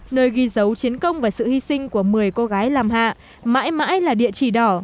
nơi ghi dấu chiến công và sự hy sinh của một mươi cô gái làm hạ mãi mãi là địa chỉ đỏ